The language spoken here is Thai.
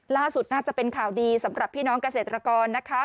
ล่าสุดน่าจะเป็นข่าวดีสำหรับพี่น้องเกษตรกรนะคะ